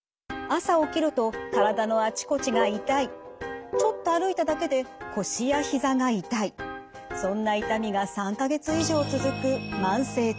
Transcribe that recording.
朝起きると体のあちこちが痛いちょっと歩いただけで腰やひざが痛いそんな痛みが３か月以上続く慢性痛。